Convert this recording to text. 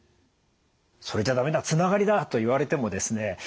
「それじゃ駄目だつながりだ」と言われてもですね